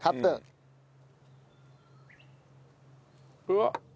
うわっ。